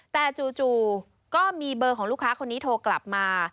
แต่จู่ก็มีเบอร์ของลูกค้าคนนี้โทรกลับมา